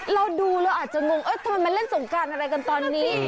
เราดูแล้วอาจจะงงเออคุณมันเล่นสงการยังไงตอนนี้